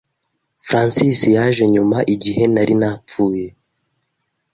Francis yaje nyuma igihe nari napfuye